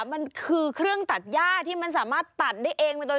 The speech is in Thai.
มันคือเครื่องตัดย่าที่มันสามารถตัดได้เอง